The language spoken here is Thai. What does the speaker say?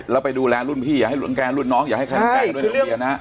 แล้วไปดูแลรุ่นพี่อย่าให้รุ่นแก้รุ่นน้องอย่าให้ใครรุ่นแก้รุ่นน้อง